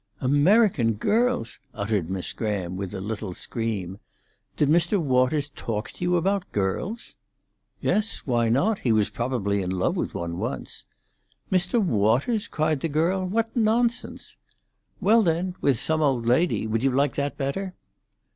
"American girls!" uttered Miss Graham, in a little scream. "Did Mr. Waters talk to you about girls?" "Yes. Why not? He was probably in love with one once." "Mr. Waters?" cried the girl. "What nonsense!" "Well, then, with some old lady. Would you like that better?"